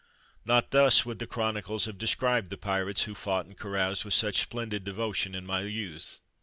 Not thus would the chronicles have described the pirates who fought and caroused with such splendid devotion in my youth.